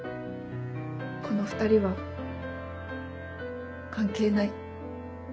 「この２人は関係ない」？